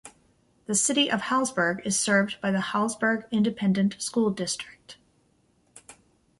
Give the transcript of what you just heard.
The City of Hallsburg is served by the Hallsburg Independent School District.